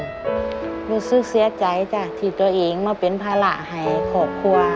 รู้สึกเสียใจจ้ะที่ตัวเองมาเป็นภาระให้ครอบครัว